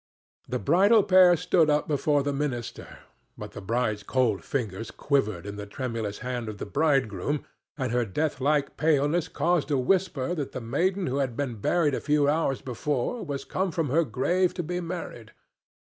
The bridal pair stood up before the minister, but the bride's cold fingers quivered in the tremulous hand of the bridegroom, and her death like paleness caused a whisper that the maiden who had been buried a few hours before was come from her grave to be married.